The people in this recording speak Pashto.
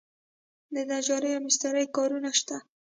د نجارۍ او مسترۍ کارونه شته؟